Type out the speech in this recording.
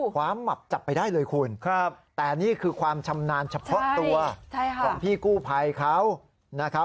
ความหมับจับไปได้เลยคุณแต่นี่คือความชำนาญเฉพาะตัวของพี่กู้ภัยเขานะครับ